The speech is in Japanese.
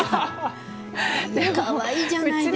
かわいいじゃないですか。